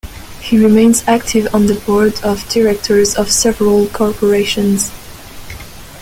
He remains active on the board of directors of several corporations.